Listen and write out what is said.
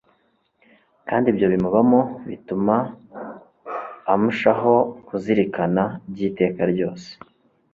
kandi ibyo bimubamo bituma amshaho kuzirikana by'iteka ryose